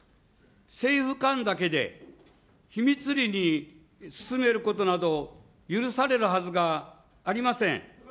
政府間だけで秘密裏に進めることなど許されるはずがありません。